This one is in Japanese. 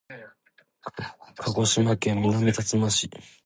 鹿児島県南さつま市